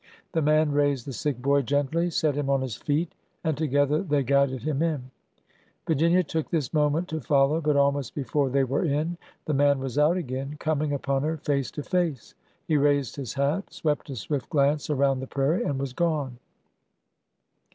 The man raised the sick boy gently, set him on his feet, and together they guided him in. Virginia took this mo ment to follow. But alm.ost before they were in, the man was out again, coming upon her face to face. He raised his hat, swept a swift glance around the prairie, and was gone.